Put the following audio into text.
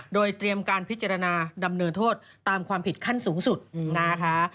โดยเตรียมการพิจารณาดำเนินโทษตามความผิดขั้นสูงสุดนะคะ